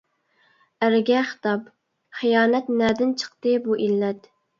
ئەرگە خىتاب خىيانەت نەدىن چىقتى بۇ ئىللەت.